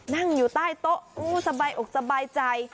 นั่งอยู่ใต้โต๊ะสบายอกสบายใจ